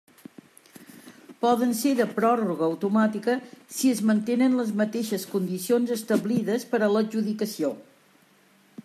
Poden ser de pròrroga automàtica, si es mantenen les mateixes condicions establides per a l'adjudicació.